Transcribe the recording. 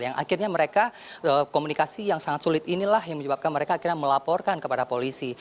yang akhirnya mereka komunikasi yang sangat sulit inilah yang menyebabkan mereka akhirnya melaporkan kepada polisi